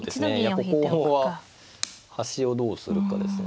ここは端をどうするかですが。